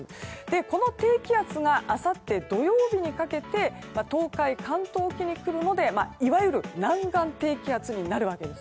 この低気圧があさって土曜日にかけて東海、関東沖に来るのでいわゆる南岸低気圧になるわけです。